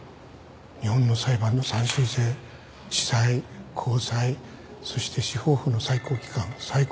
日本の裁判の三審制地裁高裁そして司法府の最高機関最高裁。